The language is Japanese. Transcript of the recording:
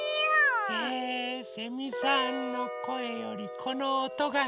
えセミさんのこえよりこのおとがすき。